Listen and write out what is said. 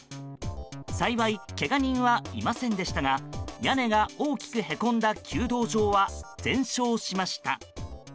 幸いけが人はいませんでしたが屋根が大きくへこんだ弓道場は全焼しました。